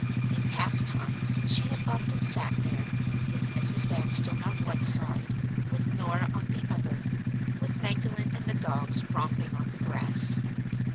In past times she had often sat there, with Mrs. Vanstone on one side, with Norah on the other, with Magdalen and the dogs romping on the grass.